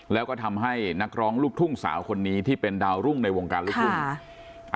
แล้วก็ทำให้นักร้องลูกทุ่งสาวคนนี้ที่เป็นดาวรุ่งในวงการลูกทุ่ง